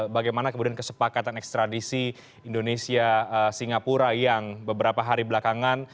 bagaimana kemudian kesepakatan ekstradisi indonesia singapura yang beberapa hari belakangan